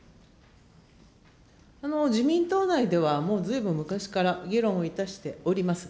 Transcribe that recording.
自民党内では、もうずいぶん昔から、議論をいたしております。